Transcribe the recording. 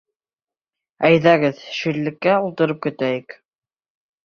Әйҙәгеҙ, ширлеккә ултырып көтәйек.